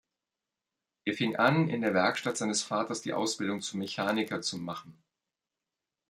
Er fing an, in der Werkstatt seines Vaters die Ausbildung zum Mechaniker zu machen.